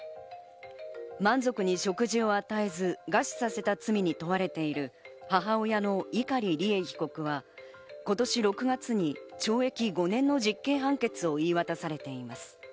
満足に食事を与えず、餓死させた罪に問われている母親の碇利恵被告は、今年６月に懲役５年の実刑判決を言い渡されています。